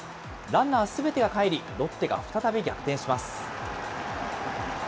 ランナーすべてがかえり、ロッテが再び逆転します。